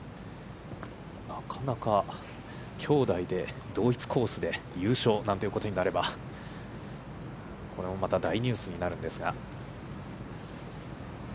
なかなかきょうだいで同一コースで優勝なんていうことになれば、これもまた大ニュースになるんですが。